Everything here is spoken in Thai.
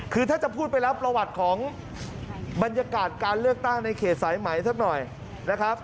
คือถ้าจะพูดไปแล้วประวัติของบรรยากาศการเลือกตั้งในเขตสายไหมสักหน่อยนะครับ